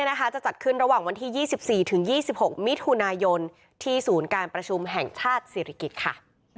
จะจัดขึ้นระหว่างวันที่๒๔ถึง๒๖มิถุนายนที่ศูนย์การประชุมแห่งชาติศิริกิจค่ะ